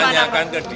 tanyakan ke dia